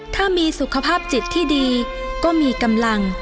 ถ้ามีสุขภาพจิตที่ดีก็มีกำลัง